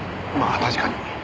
まあ確かに。